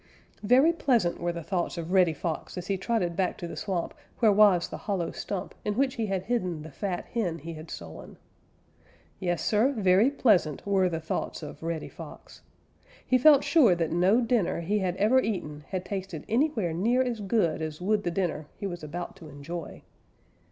_ Very pleasant were the thoughts of Reddy Fox as he trotted back to the swamp where was the hollow stump in which he had hidden the fat hen he had stolen. Yes, Sir, very pleasant were the thoughts of Reddy Fox. He felt sure that no dinner he had ever eaten had tasted anywhere near as good as would the dinner he was about to enjoy.